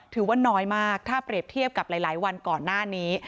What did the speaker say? ถือว่าน้อยมากถ้าเปรียบเทียบกับหลายวันก่อนหน้านี้